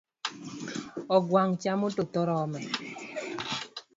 Ogwang chamo to tho rome